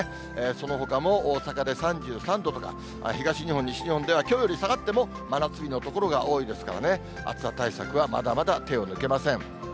そのほかも大阪で３３度とか、東日本、西日本ではきょうより下がっても、真夏日の所が多いですからね、暑さ対策はまだまだ手を抜けません。